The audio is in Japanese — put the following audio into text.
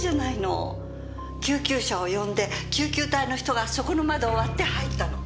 救急車を呼んで救急隊の人がそこの窓を割って入ったの。